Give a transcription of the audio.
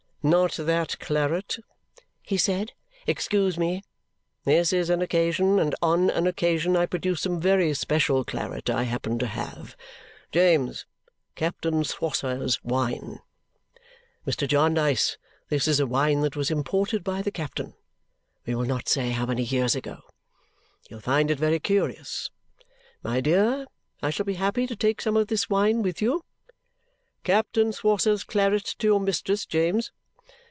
"Not that claret!" he said. "Excuse me! This is an occasion, and ON an occasion I produce some very special claret I happen to have. (James, Captain Swosser's wine!) Mr. Jarndyce, this is a wine that was imported by the captain, we will not say how many years ago. You will find it very curious. My dear, I shall be happy to take some of this wine with you. (Captain Swosser's claret to your mistress, James!)